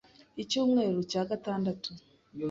Icyumweru cya cya gatandatu